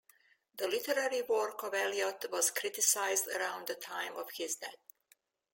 The literary work of Elliot was criticised around the time of his death.